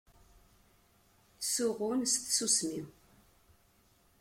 Ttsuɣun s tsusmi.